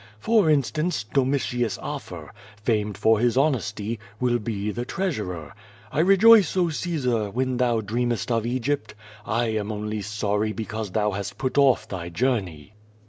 For instance, Domitius Afer, famed for his hon esty, will be the treasurer. I rejoice, oh Caesar, when thou dreamest of Egypt. I am only sorry because thou hast put off thy journey."